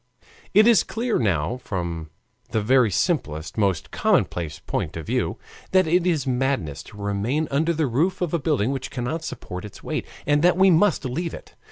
It is clear now from the very simplest, most commonplace point of view, that it is madness to remain under the roof of a building which cannot support its weight, and that we must leave it.